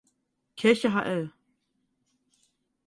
Kirche Hl.